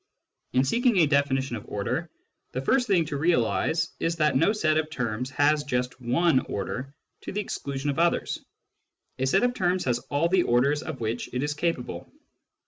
In seeking a definition of order, the first thing to realise is that no set of terms has just one order to the exclusion of others. A set of terms has all the orders of which it is capable.